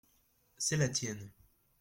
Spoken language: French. C’est la tienne.